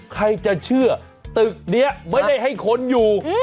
ใครจะเชื่อตึกนี้ไม่ได้ให้คนอยู่